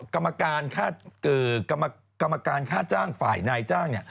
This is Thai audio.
กรรมการค่าจ้างฝ่ายนายจ้าง